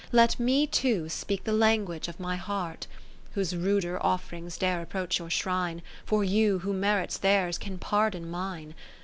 Let me too speak the language of my heart ; Whose ruder ofPrings dare approach your shrine. For you, who merit theirs, can pardon mine.